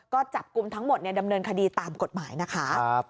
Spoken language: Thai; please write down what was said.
ก็จับกลุ่มทั้งหมดดำเนินคดีตามกฎหมายนะคะ